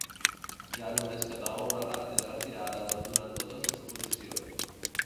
Ja només quedava una ràpida retirada abandonant totes les posicions.